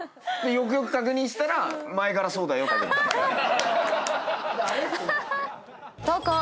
よくよく確認したら「前からそうだよ」投稿！